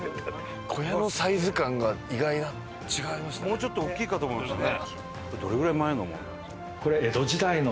もうちょっと大きいかと思いましたね。